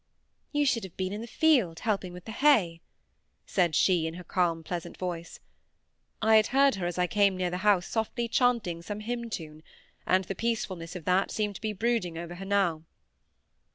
"You should have been in the field, helping with the hay," said she, in her calm, pleasant voice. I had heard her as I came near the house softly chanting some hymn tune, and the peacefulness of that seemed to be brooding over her now.